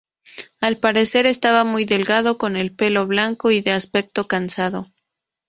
Al parecer, estaba muy delgado, con el pelo blanco y de aspecto cansado.